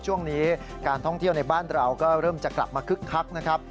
ช่วงนี้การท่องเที่ยวในบ้านเราก็เริ่มจะกลับมาคึกคักนะครับ